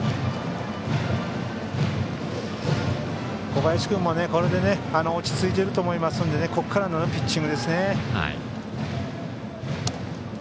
小林君も、これで落ち着いていくと思いますのでここからのピッチングですね。